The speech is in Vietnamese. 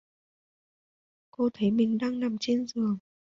Cô thấy mình đang nằm ở trên giường